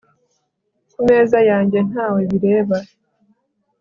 ku meza yanjye ntawe bireba